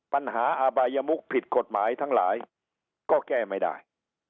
อบายมุกผิดกฎหมายทั้งหลายก็แก้ไม่ได้